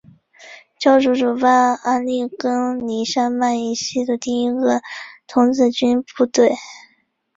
教会主办阿利根尼山脉以西的第一个童子军部队。